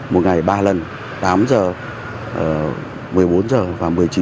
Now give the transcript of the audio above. một ngày ba lần tám h một mươi bốn h và một mươi chín h ba mươi